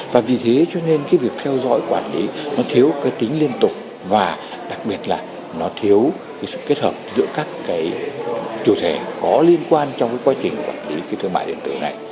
và vì thế cho nên cái việc theo dõi quản lý nó thiếu cái tính liên tục và đặc biệt là nó thiếu cái sự kết hợp giữa các cái chủ thể có liên quan trong cái quá trình quản lý cái thương mại điện tử này